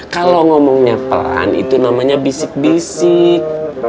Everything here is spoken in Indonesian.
kalau ngomongnya peran itu namanya bisik bisik